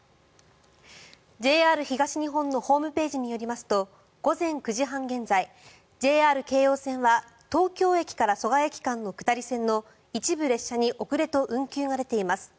ＪＲ東日本のホームページによりますと午前９時半現在、ＪＲ京葉線は東京駅から蘇我駅間の下り線の一部列車に遅れと運休が出ています。